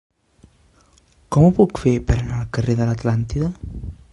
Com ho puc fer per anar al carrer de l'Atlàntida?